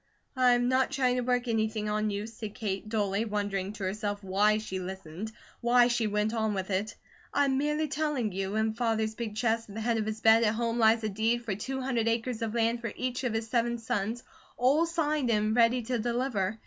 "I am not trying to work anything on you," said Kate, dully, wondering to herself why she listened, why she went on with it. "I'm merely telling you. In Father's big chest at the head of his bed at home lies a deed for two hundred acres of land for each of his seven sons, all signed and ready to deliver.